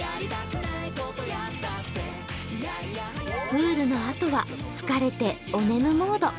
プールのあとは疲れておねむモード。